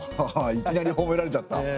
ハハいきなりほめられちゃった。